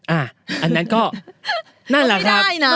อ่ะอันนั้นก็ไม่ได้นะ